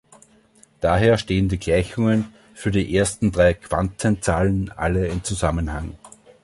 Daher stehen die Gleichungen für die ersten drei Quantenzahlen alle in Zusammenhang.